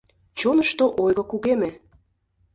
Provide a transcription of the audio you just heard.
Чонышто ойго кугеме.